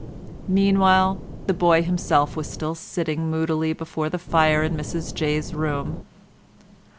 Meanwhile the boy himself was still sitting moodily before the fire in Mrs Jay's room.